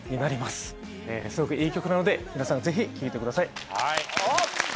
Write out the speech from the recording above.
すごくいい曲なので皆さんぜひ聴いてください。